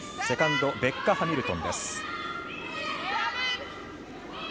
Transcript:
セカンドベッカ・ハミルトンです。